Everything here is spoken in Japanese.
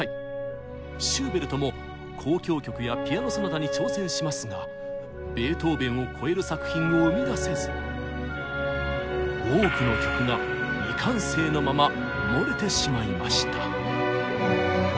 シューベルトも交響曲やピアノ・ソナタに挑戦しますがベートーベンを超える作品を生み出せず多くの曲が未完成のまま埋もれてしまいました。